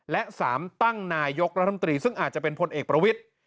และสามตั้งนายยกรัฐธรรมตรีซึ่งอาจจะเป็นพลเอกประวิต